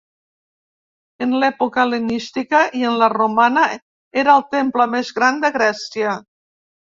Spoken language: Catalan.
En l'època hel·lenística i en la romana era el temple més gran de Grècia.